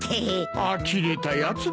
あきれたやつだ。